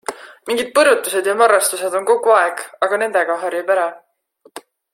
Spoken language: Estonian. Mingid põrutused ja marrastused on kogu aeg, aga nendega harjub ära.